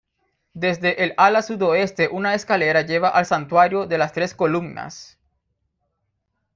Desde el ala sudoeste una escalera lleva al santuario de las tres columnas.